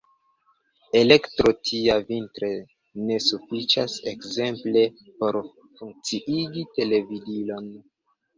Elektro tia vintre ne sufiĉas ekzemple por funkciigi televidilon.